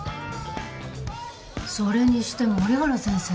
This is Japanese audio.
それにしても折原先生